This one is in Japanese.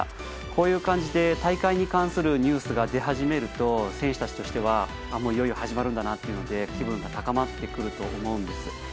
こういう感じで大会に関するニュースが出始めると選手たちとしてはいよいよ始まるんだなと気分が高まってくると思うんです。